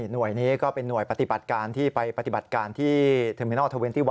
หน่วยนี้ก็เป็นหน่วยปฏิบัติการที่ไปปฏิบัติการที่เทอร์มินอลเทอร์เวนตี้วัน